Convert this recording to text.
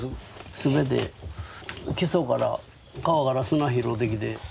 全て基礎から川から砂拾ってきて。